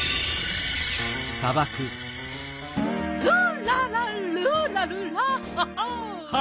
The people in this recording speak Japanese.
「ルルララルラルラハハ」